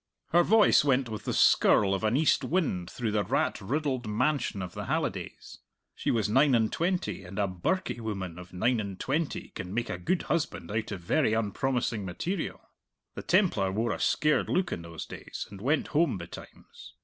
Her voice went with the skirl of an east wind through the rat riddled mansion of the Hallidays. She was nine and twenty, and a birkie woman of nine and twenty can make a good husband out of very unpromising material. The Templar wore a scared look in those days and went home betimes.